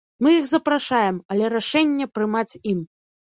Мы іх запрашаем, але рашэнне прымаць ім.